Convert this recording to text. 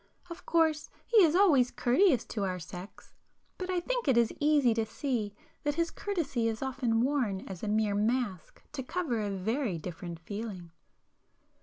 Of course he is always courteous to our sex,—but I think it is easy to see that his courtesy is often worn as a mere mask to cover a very different feeling."